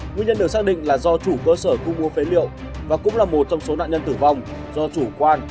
nguyên nhân được xác định là do chủ cơ sở thu mua phế liệu và cũng là một trong số nạn nhân tử vong do chủ quan